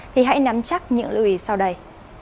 thì hãy nắm chắc những lưu ý sau đây